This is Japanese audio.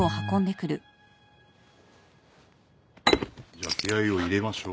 じゃあ気合を入れましょう。